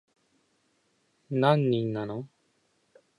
何人なの